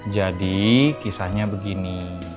jadi kisahnya begini